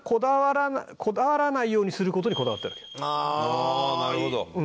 ああなるほど。